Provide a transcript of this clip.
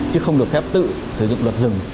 chứ không được phép tự sử dụng luật dừng